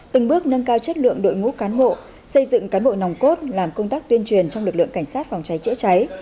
từng bước nâng cao chất lượng đội ngũ cán bộ xây dựng cán bộ nòng cốt làm công tác tuyên truyền trong lực lượng cảnh sát phòng cháy chữa cháy